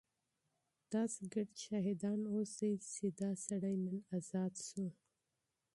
تاسو ټول شاهدان اوسئ چې دا سړی نن ازاد شو.